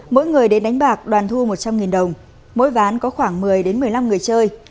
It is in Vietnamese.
mỗi người đến đánh bạc đoàn thu một trăm linh đồng mỗi ván có khoảng một mươi một mươi năm người chơi